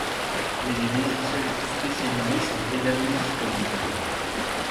Mais des logiciels plus spécialisés sont également disponibles.